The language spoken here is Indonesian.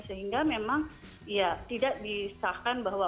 sehingga memang ya tidak disahkan bahwa